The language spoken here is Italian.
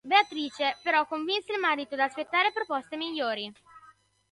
Beatrice però convinse il marito ad aspettare proposte migliori.